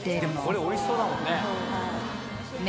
これ美味しそうだもんね。